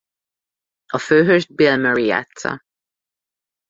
A főhőst Bill Murray játssza.